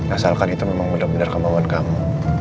asalkan itu memang benar benar kemauan kamu